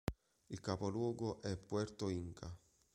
Il capoluogo è Puerto Inca.